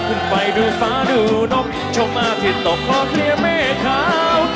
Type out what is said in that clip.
ขึ้นไปดูฟ้าดูนมชมอาทิตย์ตกขอเคลียร์เมฆขาว